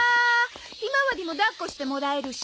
ひまわりも抱っこしてもらえるし。